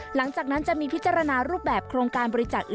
หลังจากนั้นจะมีพิจารณารูปแบบโครงการบริจาค